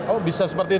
oh bisa seperti itu